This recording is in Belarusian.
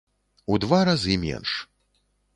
У два разы менш.